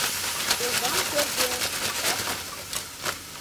Озаҥ кӧргӧ прикашыкше